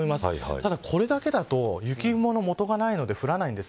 ただ、これだけだと雪雲のもとがないので降りません。